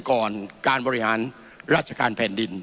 ก่อนการบริหารราชการแผ่นดิน